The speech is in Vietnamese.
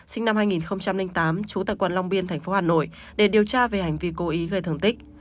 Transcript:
sinh năm hai nghìn tám trú tại quận long biên thành phố hà nội để điều tra về hành vi cố ý gây thường tích